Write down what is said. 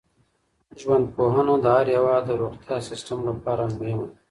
ژوندپوهنه د هر هېواد د روغتیايي سیسټم لپاره مهمه ده.